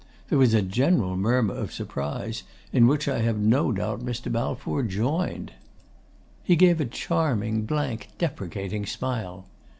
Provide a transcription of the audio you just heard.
There was a general murmur of surprise, in which I have no doubt Mr. Balfour joined. He gave a charming, blank, deprecating smile.